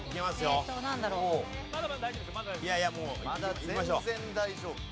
まだ大丈夫。